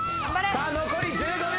さあ残り１５秒。